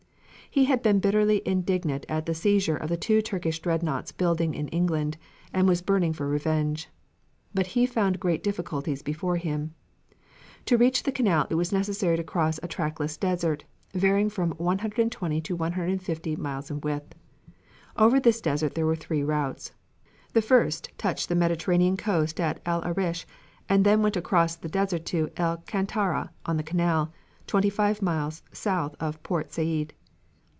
He had been bitterly indignant at the seizure of the two Turkish dreadnaughts building in England, and was burning for revenge. But he found great difficulties before him. To reach the Canal it was necessary to cross a trackless desert, varying from 120 to 150 miles in width. Over this desert there were three routes. The first touched the Mediterranean coast at El Arish and then went across the desert to El Kantara on the Canal, twenty five miles south of Port Said.